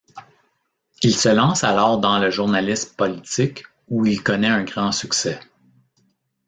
Il se lance alors dans le journalisme politique, où il connait un grand succès.